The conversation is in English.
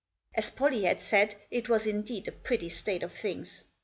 As Pollie had said, it was indeed a pretty state of things.